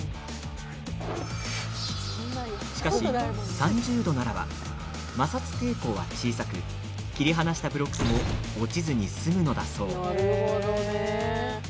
しかし、３０度ならば摩擦抵抗は小さく切り離したブロックも落ちずに済むのだそう。